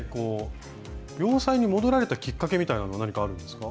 洋裁に戻られたきっかけみたいのは何かあるんですか？